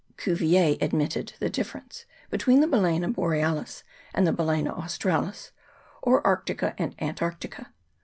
Cuvier admitted the difference between the Balsena Borealis and the Balsena Australis, or Arctica and Antarctica.